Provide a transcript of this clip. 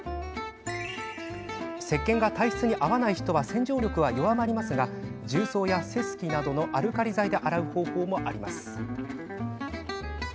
せっけんが体質に合わない人は洗浄力は弱まりますが重曹やセスキなどのアルカリ剤で洗う方法もあります。